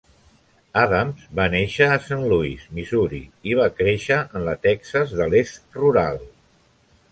Adams va néixer a Saint Louis, Missouri, i va créixer en la Texas de l'Est rural.